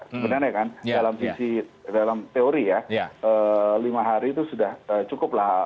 sebenarnya kan dalam teori ya lima hari itu sudah cukup lah